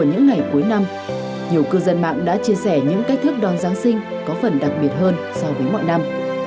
những ngày cuối năm nhiều cư dân mạng đã chia sẻ những cách thức đón giáng sinh có phần đặc biệt hơn so với mọi năm